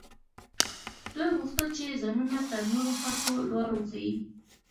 دوی غوښتل چې ځانونه تر نورو خلکو لوړ وښيي.